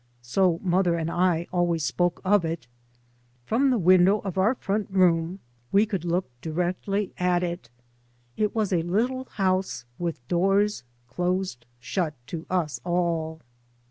So mother and I always spoke of it. From the window of our front room 3 by Google MY MOTHER AND I we could look directly at it. It was a little house with doors close shut to us all.